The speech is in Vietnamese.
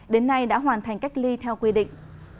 đến nay đã hoàn thành cách ly theo quy định